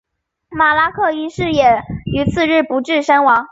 马立克一世也于次日不治身亡。